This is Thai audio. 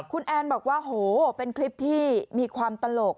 คุณแอนบอกว่าโหเป็นคลิปที่มีความตลก